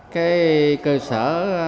cái cơ sở